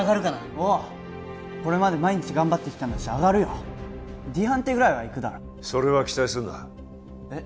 おうこれまで毎日頑張ってきたんだし上がるよＤ判定ぐらいはいくだろそれは期待すんなえっ？